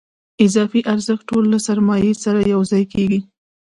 اضافي ارزښت ټول له سرمایې سره یوځای کېږي